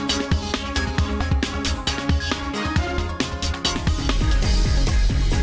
terima kasih banyak pak tito